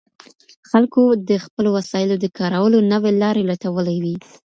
خلګو د خپلو وسایلو د کارولو نوي لاري لټولې وې.